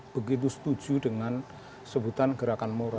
begitu setuju dengan sebutan gerakan moral